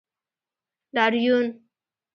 لاریون